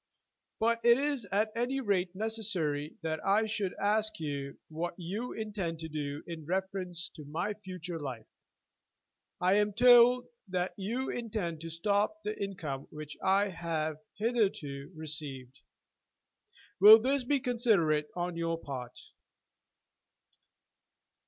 "But it is at any rate necessary that I should ask you what you intend to do in reference to my future life. I am told that you intend to stop the income which I have hitherto received. Will this be considerate on your part?"